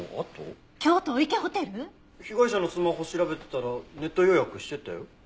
被害者のスマホ調べてたらネット予約してたよ。